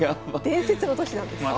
伝説の年なんです。